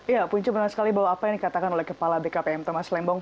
ya punca benar sekali bahwa apa yang dikatakan oleh kepala bkpm thomas lembong